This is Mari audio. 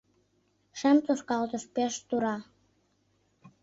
Шым тошкалтыш, пеш тура